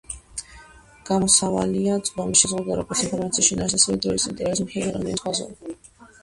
გამოსავალია წვდომის შეზღუდვა როგორც ინფორმაციის შინაარსის, ასევე დროის ინტერვალის მიხედვით და რამდენიმე სხვა ზომა.